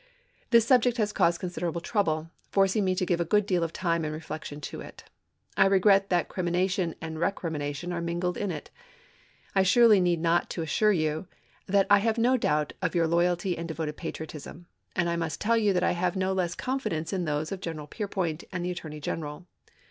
This subject has caused considerable trouble, forcing me to give a good deal of time and reflection to it. I regret that crimination and recrimination are mingled in it. I surely need not to assure you that I have no doubt of your loyalty and devoted patriotism ; and I must tell you that I have no less confidence in those of Governor Peir point and the Attorney General.